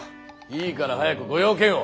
いいから早くご用件を。